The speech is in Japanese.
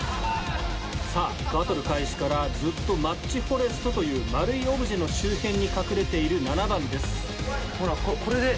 さぁバトル開始からずっとマッチフォレストという丸いオブジェの周辺に隠れてる７番です。